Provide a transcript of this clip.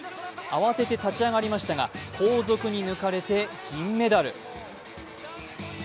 慌てて立ち上がりましたが後続に抜かれて銀メダル。